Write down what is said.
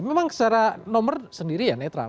memang secara nomor sendiri ya netral